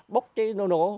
bốc cháy nó nổ